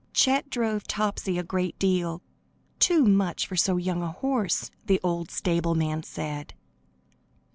Chet drove Topsy a great deal; "too much for so young a horse," the old stableman said.